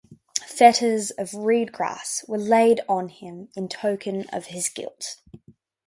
Fetters of reed-grass were laid on him in token of his guilt.